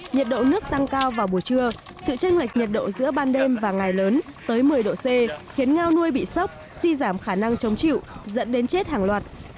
nhiệt độ nước tăng cao vào buổi trưa sự tranh lệch nhiệt độ giữa ban đêm và ngày lớn tới một mươi độ c khiến ngao nuôi bị sốc suy giảm khả năng chống chịu dẫn đến chết hàng loạt